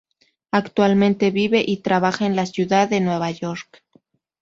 Actualmente vive y trabaja en la Ciudad de Nueva York.